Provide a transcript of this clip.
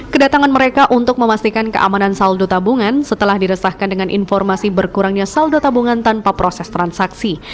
kedatangan mereka untuk memastikan keamanan saldo tabungan setelah diresahkan dengan informasi berkurangnya saldo tabungan tanpa proses transaksi